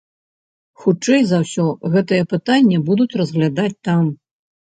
Хутчэй за ўсё, гэтае пытанне будуць разглядаць там.